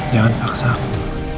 jangan paksa aku